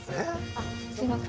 あすいません